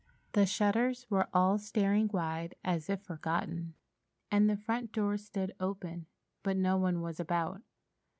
The shutters were all staring wide, as if forgotten, and the front door stood open, but no one was about.